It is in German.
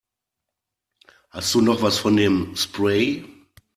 Hast du noch was von dem Spray?